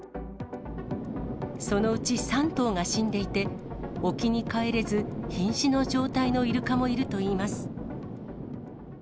そのうち３頭が死んでいて、沖に帰れずひん死の状態のイルカもいるといいます。